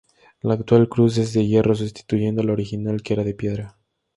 La actual cruz es de hierro, sustituyendo a la original que era de piedra.